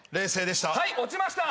はい落ちました。